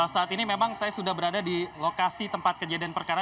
saat ini memang saya sudah berada di lokasi tempat kejadian perkara